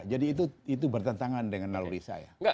jadi itu bertentangan dengan naluri saya